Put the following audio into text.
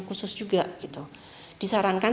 khusus juga disarankan